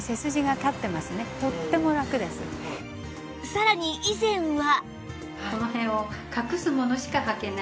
さらに以前は